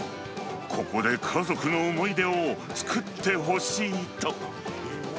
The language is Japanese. ここで家族の思い出を作ってほしいと。